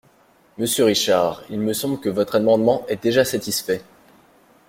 Monsieur Richard, il me semble que votre amendement est déjà satisfait.